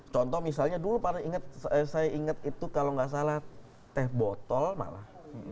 contoh misalnya dulu pada ingat saya ingat itu kalau nggak salah teh botol malah